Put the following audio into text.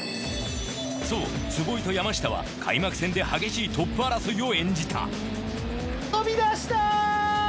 そう坪井と山下は開幕戦で激しいトップ争いを演じた飛び出した！